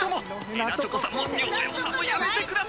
へなちょこさんもヨボヨボさんもやめてください！